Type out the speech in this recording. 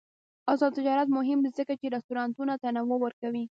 آزاد تجارت مهم دی ځکه چې رستورانټونه تنوع ورکوي.